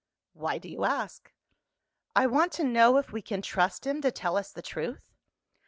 "Why do you ask?" "I want to know if we can trust him to tell us the truth?"